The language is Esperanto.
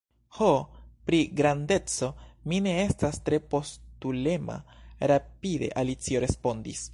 "Ho, pri grandeco, mi ne estas tre postulema," rapide Alicio respondis. "